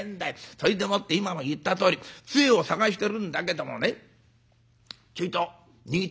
それでもって今も言ったとおりつえを探してるんだけどもねちょいと握ってみたんだよ。